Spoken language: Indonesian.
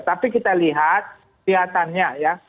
tapi kita lihat kelihatannya ya